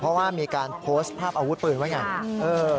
เพราะว่ามีการโพสต์ภาพอาวุธปืนไว้ไง